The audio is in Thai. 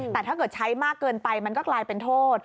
แต่ถ้าเกิดใช้มากเกินไปมันก็กลายเป็นโทษ